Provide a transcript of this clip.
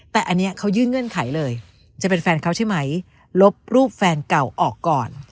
แต่อันนี้เขายื่นเงื่อนไขเลยจะเป็นแฟนเขาใช่ไหมลบรูปแฟนเก่าออกก่อน